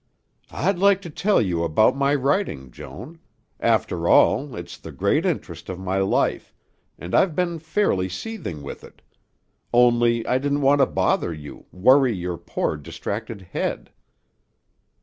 "I'd like to tell you about my writing, Joan. After all, it's the great interest of my life, and I've been fairly seething with it; only I didn't want to bother you, worry your poor, distracted head."